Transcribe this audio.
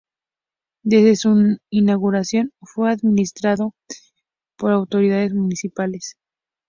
Desde su inauguración fue administrado por autoridades municipales.